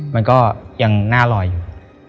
มันก็ยังน่าลอยอยู่